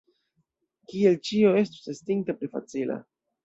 Kiel ĉio estus estinta pli facila!